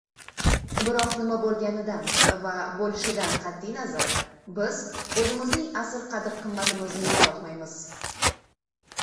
Biroq nima boʻlganidan va boʻlishidan qatʼi nazar, biz oʻzimizning asl qadr-qimmatimizni yoʻqotmaymiz.